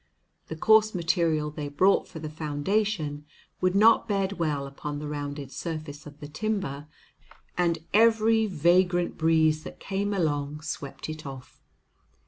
The coarse material they brought for the foundation would not bed well upon the rounded surface of the timber, and every vagrant breeze that came along swept it off.